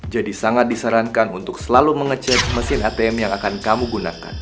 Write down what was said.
jadi sangat disarankan untuk selalu mengecek mesin atm yang akan kamu gunakan